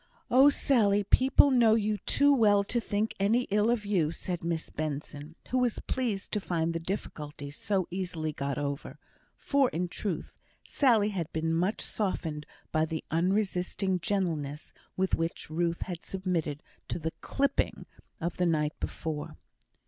"Oh, Sally! people know you too well to think any ill of you," said Miss Benson, who was pleased to find the difficulty so easily got over; for, in truth, Sally had been much softened by the unresisting gentleness with which Ruth had submitted to the "clipping" of the night before.